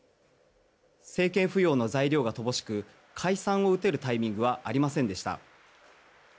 政権浮揚の材料が乏しく解散を打てるタイミングはありませんでした。